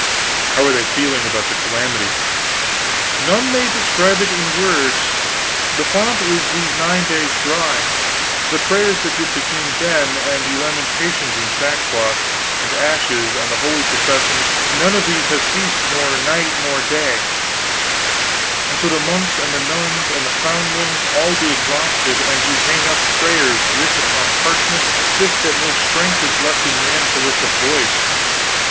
"How are they feeling about the calamity?" "None may describe it in words. The fount is these nine days dry. The prayers that did begin then, and the lamentations in sackcloth and ashes, and the holy processions, none of these have ceased nor night nor day; and so the monks and the nuns and the foundlings be all exhausted, and do hang up prayers writ upon parchment, sith that no strength is left in man to lift up voice.